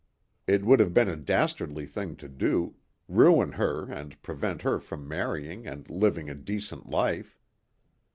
It would have been a dastardly thing to do ruin her and prevent her from marrying and living a decent life.